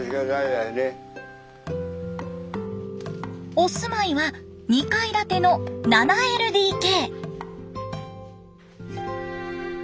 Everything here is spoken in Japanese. お住まいは２階建ての７ＬＤＫ。